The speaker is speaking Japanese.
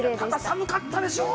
寒かったでしょう？